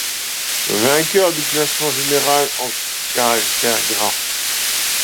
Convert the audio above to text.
Vainqueurs du classement général en caractères gras.